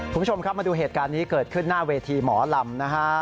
คุณผู้ชมครับมาดูเหตุการณ์นี้เกิดขึ้นหน้าเวทีหมอลำนะฮะ